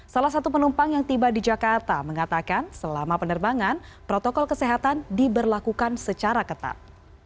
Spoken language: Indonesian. salah satu penumpang yang tiba di jakarta mengatakan selama penerbangan protokol kesehatan diberlakukan secara ketat